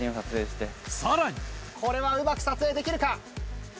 さらにこれはうまく撮影できるか？